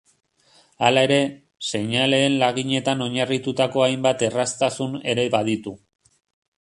Hala ere, seinaleen laginetan oinarritutako hainbat erraztasun ere baditu.